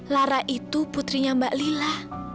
lara itu putrinya mbak lila